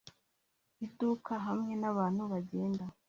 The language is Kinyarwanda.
iduka hamwe nabantu bagenda